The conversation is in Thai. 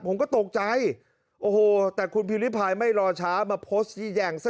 ผมก็ตกใจโอ้โหแต่คุณพิมริพายไม่รอช้ามาโพสต์ชี้แจงซะ